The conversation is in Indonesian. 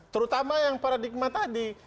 terutama yang paradigma tadi